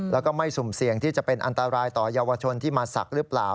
แล้วก็ไม่สุ่มเสี่ยงที่จะเป็นอันตรายต่อเยาวชนที่มาศักดิ์หรือเปล่า